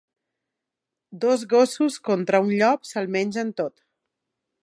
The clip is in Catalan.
Dos gossos contra un llop se'l mengen tot.